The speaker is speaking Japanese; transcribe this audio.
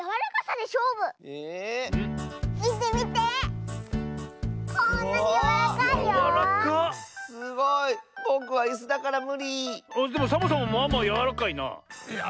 でもサボさんもまあまあやわらかいな。